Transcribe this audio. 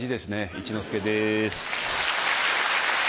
一之輔です。